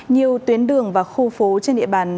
nhiều tuyến đường và khu phố trên địa bàn